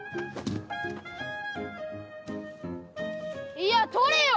いや捕れよ！